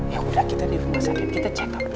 ya udah kita di rumah sakit kita check up